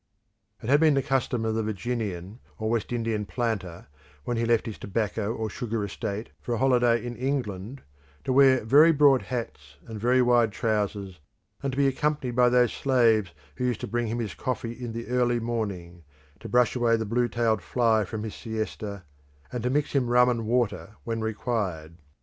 It had been the custom of the Virginian or West Indian planter, when he left his tobacco or sugar estate for a holiday in England, to wear very broad hats and very wide trousers and to be accompanied by those slaves who used to bring him his coffee in the early morning, to brush away the blue tailed fly from his siesta, and to mix him rum and water when required.